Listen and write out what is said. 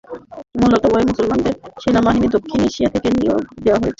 মূলত, এই মুসলমানদের সেনাবাহিনী দক্ষিণ এশিয়া থেকে নিয়োগ দেওয়া হয়েছিল।